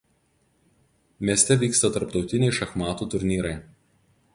Mieste vyksta tarptautiniai šachmatų turnyrai.